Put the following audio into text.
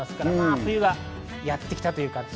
冬がやってきたという感じです。